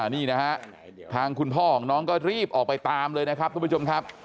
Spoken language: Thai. นี่นะฮะทางคุณพ่อของน้องก็รีบออกไปตามเลยนะครับทุกผู้ชมครับ